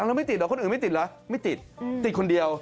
แล้วไม่ติดเหรอคนอื่นไม่ติดเหรอไม่ติดติดคนเดียว